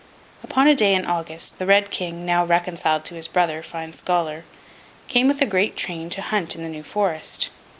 Upon a day in August, the Red King, now reconciled to his brother, Fine Scholar, came with a great train to hunt in the New Forest.